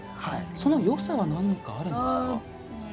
そのよさは何かあるんですか？